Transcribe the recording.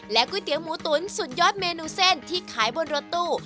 ก๋วยเตี๋ยวหมูตุ๋นสุดยอดเมนูเส้นที่ขายบนรถตู้